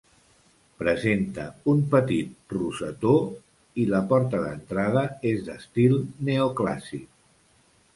Presenta un petit rosetó i la porta d'entrada és d'estil neoclàssic.